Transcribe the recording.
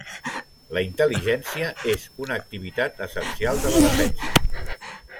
La intel·ligència és una activitat essencial de la defensa.